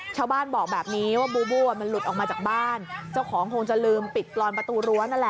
ชาวบ้านบอกแบบนี้ว่าบูบูอ่ะมันหลุดออกมาจากบ้านเจ้าของคงจะลืมปิดกรอนประตูรั้วนั่นแหละ